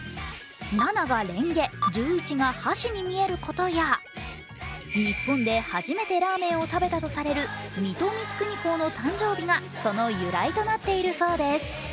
７がレンゲ、１１が箸に見えることや日本で初めてラーメンを食べたとされる水戸光圀公の誕生日がその由来となっているそうです。